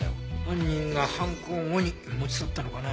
犯人が犯行後に持ち去ったのかな？